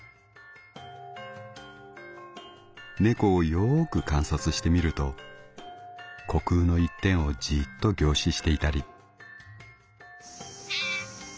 「猫をよーく観察してみると虚空の一点をじぃっと凝視していたり」。